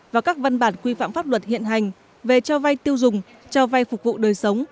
và các văn bản quy phạm pháp luật hiện hành về cho vay tiêu dùng cho vay phục vụ đời sống